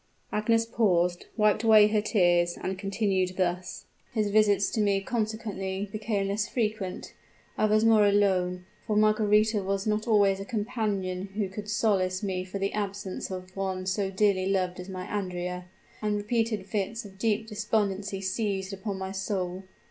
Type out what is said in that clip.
Agnes paused, wiped away her tears, and continued thus: "His visits to me consequently became less frequent; I was more alone for Margaretha was not always a companion who could solace me for the absence of one so dearly loved as my Andrea; and repeated fits of deep despondency seized upon my soul.